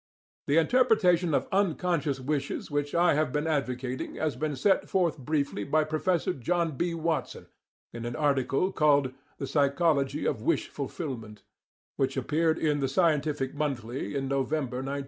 19. The interpretation of unconscious wishes which I have been advocating has been set forth briefly by Professor John B. Watson in an article called "The Psychology of Wish Fulfilment," which appeared in "The Scientific Monthly" in November, 1916.